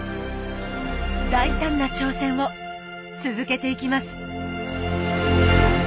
大胆な挑戦を続けていきます。